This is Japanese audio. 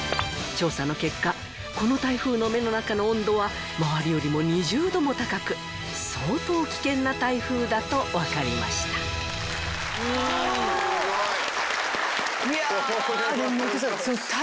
調査の結果この台風の目の中の温度は周りよりも２０度も高く相当危険な台風だと分かりましたすごい！